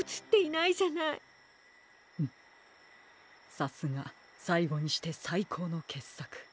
さすがさいごにしてさいこうのけっさく。